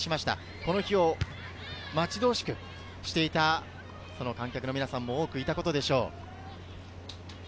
この日を待ち遠しくしていた観客の皆さんも多くいたことでしょう。